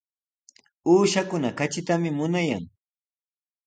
Uushakuna katritami munayan.